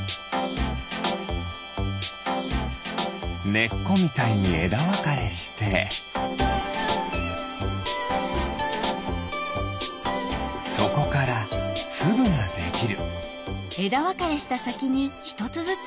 ねっこみたいにえだわかれしてそこからつぶができる。